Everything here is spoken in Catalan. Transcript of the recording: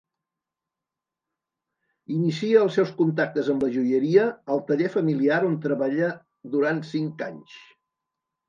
Inicia els seus contactes amb la joieria al taller familiar on treballa durant cinc anys.